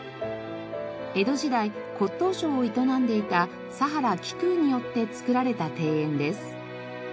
江戸時代骨董商を営んでいた佐原鞠塢によって造られた庭園です。